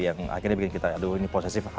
yang akhirnya bikin kita aduh ini posesif apaan sih